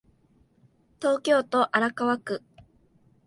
東京都荒川区